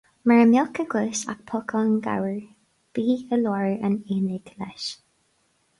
Mura mbeadh agat ach pocán gabhair bí i lár an aonaigh leis.